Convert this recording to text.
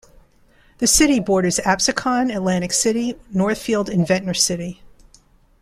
The city borders Absecon, Atlantic City, Northfield and Ventnor City.